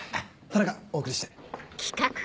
田中お送りして。